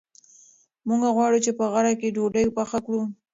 موږ غواړو چې په غره کې ډوډۍ پخه کړو.